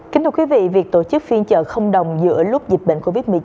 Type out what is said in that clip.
kính thưa quý vị việc tổ chức phiên chợ không đồng giữa lúc dịch bệnh covid một mươi chín